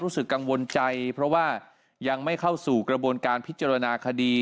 รู้สึกกังวลใจเพราะว่ายังไม่เข้าสู่กระบวนการพิจารณาคดี